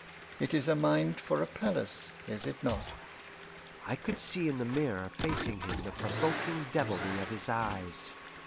It is a mind for a palace, is it not?" I could see in the mirror facing him the provoking devilry of his eyes.